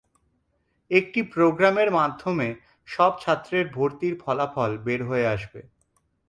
একটি প্রোগ্রামের মাধ্যমে সব ছাত্রের ভর্তির ফলাফল বের হয়ে আসবে।